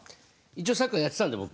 一応サッカーやってたんで僕。